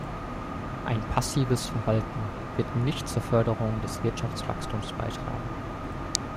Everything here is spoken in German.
Ein passives Verhalten wird nicht zur Förderung des Wirtschaftswachstums beitragen.